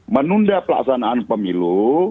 menunda pelaksanaan pemilu